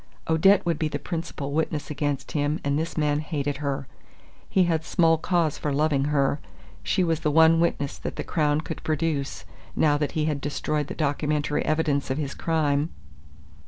Odette would be the principal witness against him and this man hated her. He had small cause for loving her. She was the one witness that the Crown could produce, now that he had destroyed the documentary evidence of his crime.